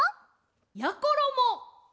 やころも！